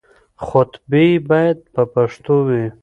خطبې بايد په پښتو وي.